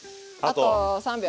あと３秒。